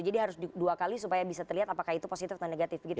jadi harus dua kali supaya bisa terlihat apakah itu positif atau negatif gitu ya prof